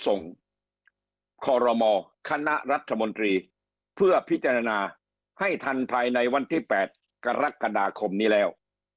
คอรมอคณะรัฐมนตรีเพื่อพิจารณาให้ทันภายในวันที่๘กรกฎาคมนี้แล้ว